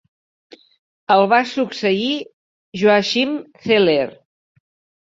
El va succeir Joachim Zeller.